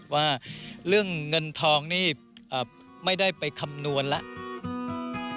ว่าเรื่องเงินทองนี่ไม่ได้ไปคำนวณแล้ว